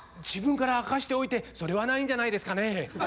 自分から明かしておいてそれはないんじゃないですかね。